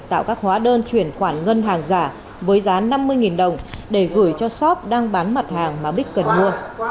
tạo các hóa đơn chuyển khoản ngân hàng giả với giá năm mươi đồng để gửi cho shop đang bán mặt hàng mà bích cần mua